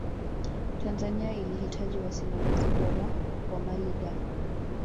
tanzania ilihitaji wasimamizi bora wa mali ghafi